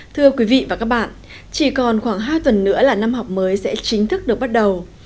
thưa quý vị và các bạn chỉ còn khoảng hai tuần nữa là năm học mới sẽ chính thức được bắt đầu